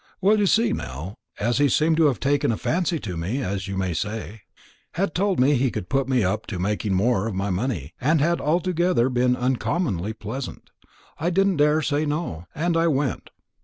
"Well, you see, Nell, as he seemed to have taken a fancy to me, as you may say, and had told me he could put me up to making more of my money, and had altogether been uncommonly pleasant, I didn't care to say no, and I went.